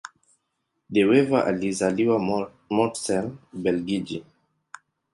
De Wever alizaliwa Mortsel, Ubelgiji.